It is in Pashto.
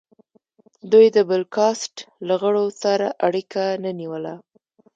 دوی د بل کاسټ له غړو سره اړیکه نه نیوله.